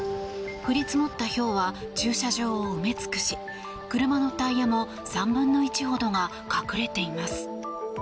降り積もったひょうは駐車場を埋め尽くし車のタイヤも３分の１ほどが隠れています。